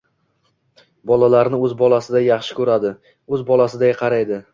Bolalarni o'z bolasiday yaxshi ko'radi, o'z bolasiday qaraydi.